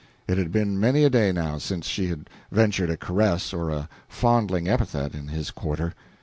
It had been many a day now since she had ventured a caress or a fondling epithet in his quarter.